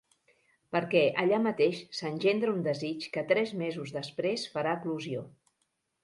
Perquè allà mateix s'engendra un desig que tres mesos després farà eclosió.